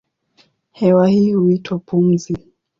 Hewa hii huitwa pumzi.